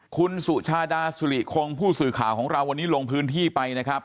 คุณสุชาดาสุริคงผู้สื่อข่าวของเราวันนี้ลงพื้นที่ไปนะครับ